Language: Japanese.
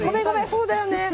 そうだよね。